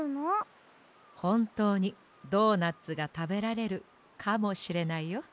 ほんとうにドーナツがたべられるかもしれないよ。